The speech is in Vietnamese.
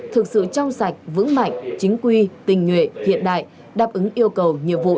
thực sự trong sạch vững mạnh chính quy tình nguyện hiện đại đáp ứng yêu cầu nhiệm vụ